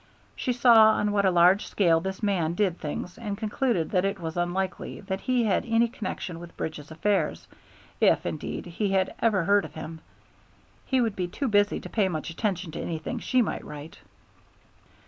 She saw on what a large scale this man did things and concluded that it was unlikely that he had any connection with Bridge's affairs, if, indeed, he had ever heard of him. He would be too busy to pay much attention to anything she might write.